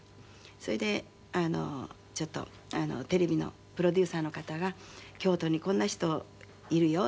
それでちょっとテレビのプロデューサーの方が「京都にこんな人いるよ」